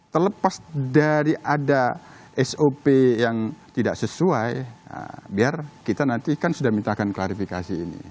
terlepas dari ada sop yang tidak sesuai biar kita nanti kan sudah mintakan klarifikasi ini